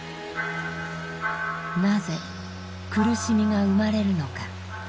なぜ苦しみが生まれるのか。